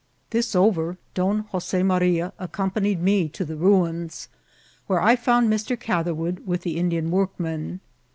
This over, Don Jose Maria accompanied me to the ruins, where I found Mr. Catherwood with the Indian workmen.